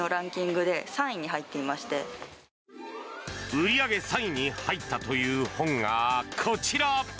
売り上げ３位に入ったという本がこちら。